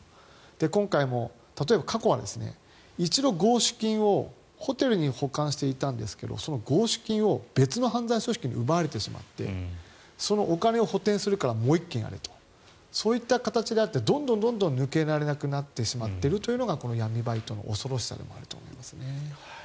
今回も例えば、過去は一度、金をホテルに保管していたんですがその金を別の犯罪組織に奪われてしまってそのお金を補てんするからもう１件やれという形でどんどん抜けられなくなっているのが闇バイトの恐ろしさです。